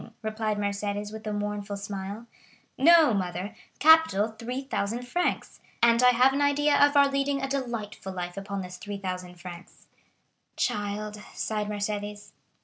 replied Mercédès with a mournful smile. "No, mother,—capital 3,000 francs. And I have an idea of our leading a delightful life upon this 3,000 francs." "Child!" sighed Mercédès.